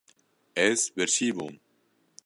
Ez birçî bûm.